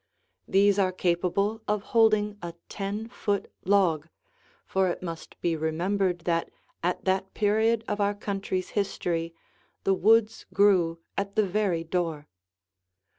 These are capable of holding a ten foot log, for it must be remembered that at that period of our country's history the woods grew at the very door.